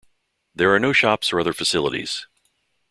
There are no shops or other facilities.